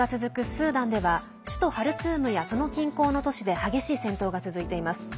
スーダンでは首都ハルツームやその近郊の都市で激しい戦闘が続いています。